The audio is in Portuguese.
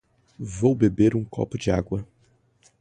Vou beber um copo de água.